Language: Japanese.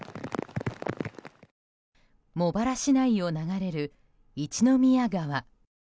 茂原市内を流れる一宮川。